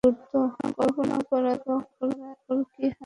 কল্পনা কর তারা ওর কি হাল করেছে।